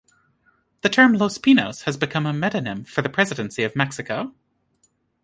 The term "Los Pinos" has become a metonym for the Presidency of Mexico.